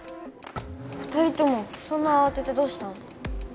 ２人ともそんなあわててどうしたの？